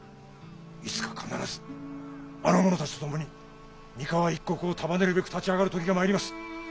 いつか必ずあの者たちと共に三河一国を束ねるべく立ち上がる時が参ります！